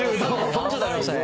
３０℃ありましたね。